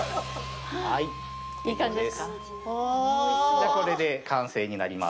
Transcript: じゃあ、これで完成になります。